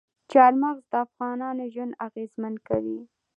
چار مغز د افغانانو ژوند اغېزمن کوي.